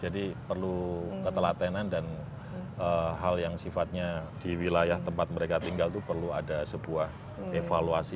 jadi perlu ketelatenan dan hal yang sifatnya di wilayah tempat mereka tinggal itu perlu ada sebuah evaluasi